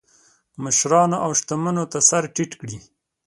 مشرانو او شتمنو ته سر ټیټ کړي.